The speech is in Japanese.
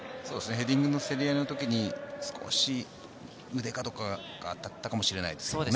ヘディングの競り合いの時に少し腕かどこかが当たったかもしれないですね。